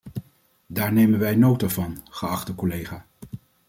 Daar nemen wij nota van, geachte collega.